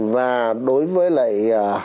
và đối với lại